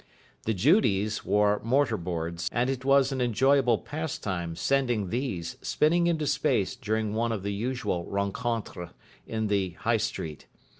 The Judies wore mortar boards, and it was an enjoyable pastime sending these spinning into space during one of the usual rencontres in the High Street.